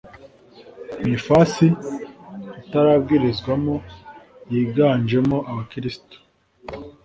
mu ifasi itarabwirizwamo yiganjemo abakirisito